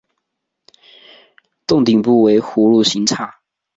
幢顶部为葫芦形刹。